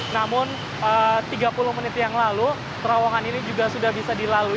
namun tiga puluh menit yang lalu terowongan ini juga sudah bisa dilalui